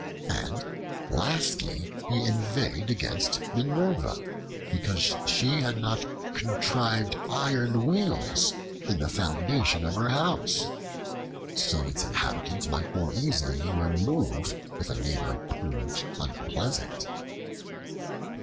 And, lastly, he inveighed against Minerva because she had not contrived iron wheels in the foundation of her house, so its inhabitants might more easily remove if a neighbor proved unpleasant.